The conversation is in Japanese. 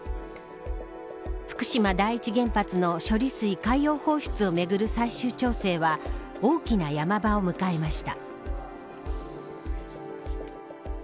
福島第一原発の処理水海洋放出をめぐる最終調整は大きなヤマ場を迎えました。